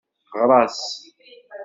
Ɣer-as.